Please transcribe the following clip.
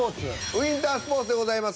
「ウィンタースポーツ」でございます。